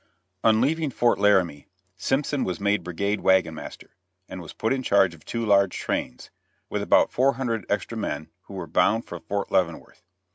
On leaving Fort Laramie, Simpson was made brigade wagon master, and was put in charge of two large trains, with about four hundred extra men, who were bound for Fort Leavenworth.